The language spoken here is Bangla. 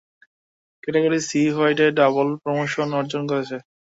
ক্যাটাগরি সি-হোয়াইটে ডাবল প্রমোশন অর্জন করেছে।